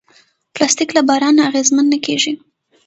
پلاستيک له باران نه اغېزمن نه کېږي.